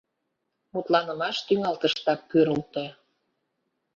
Мутланымаш тӱҥалтыштак кӱрылтӧ.